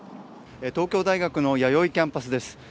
東京大学の弥生キャンパスです。